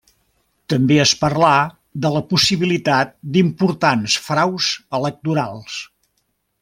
També es parlà de la possibilitat d'importants fraus electorals.